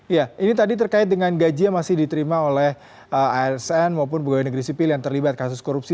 iya ini tadi terkait dengan gaji yang masih diterima oleh asn maupun bkn yang terlibat kasus korupsi